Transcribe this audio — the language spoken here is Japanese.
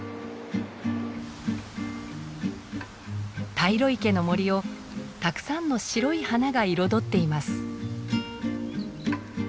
大路池の森をたくさんの白い花が彩っています。